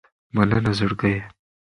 مننه زړګیه